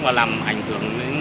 và làm ảnh hưởng đến